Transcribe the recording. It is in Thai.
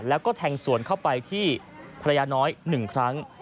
แล้วก็แทงสวนเข้าไปที่ภรรยาน้อย๑ครั้ง